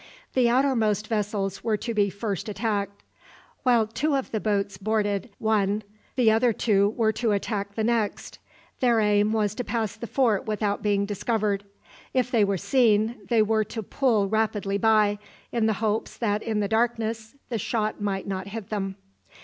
The outermost vessels were to be first attacked. While two of the boats boarded one, the other two were to attack the next. Their aim was to pass the fort without being discovered. If they were seen, they were to pull rapidly by, in the hopes that in the darkness the shot might not hit them.